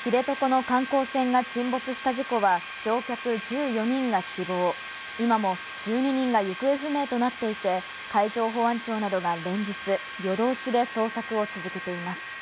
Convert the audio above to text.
知床の観光船が沈没した事故は乗客１４人が死亡、今も１２人が行方不明となっていて、海上保安庁などが連日夜通しで捜索を続けています。